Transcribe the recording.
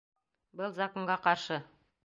Был законға ҡаршы.